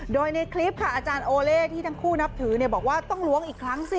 โดยในคลิปค่ะอาจารย์โอเล่ที่ทั้งคู่นับถือบอกว่าต้องล้วงอีกครั้งสิ